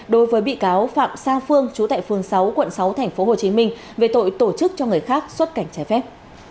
đối với bị cáo phạm sa phương chú tại phường sáu quận sáu tp hcm về tội tổ chức cho người khác xuất cảnh trái phép